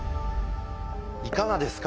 いかがですか？